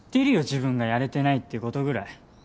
自分がやれてないっていうことぐらい。